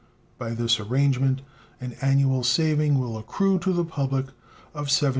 By this arrangement an annual saving will accrue to the public of $75,000.